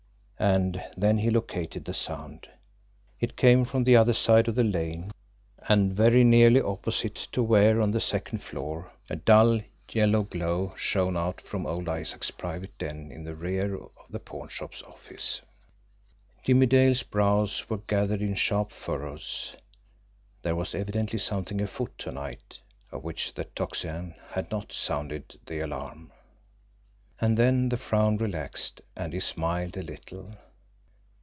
And then he located the sound it came from the other side of the lane and very nearly opposite to where, on the second floor, a dull, yellow glow shone out from old Isaac's private den in the rear of the pawnshop's office. Jimmie Dale's brows were gathered in sharp furrows. There was evidently something afoot to night of which the Tocsin had NOT sounded the alarm. And then the frown relaxed, and he smiled a little.